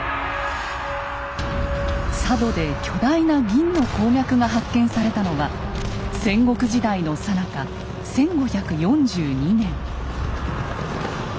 佐渡で巨大な銀の鉱脈が発見されたのは戦国時代のさなか１５４２年。